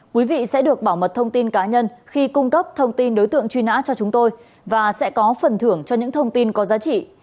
quý vị sẽ được bảo mật thông tin cá nhân khi cung cấp thông tin đối tượng truy nã cho chúng tôi và sẽ có phần thưởng cho những thông tin có giá trị